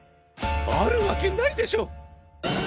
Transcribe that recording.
あるわけないでしょ！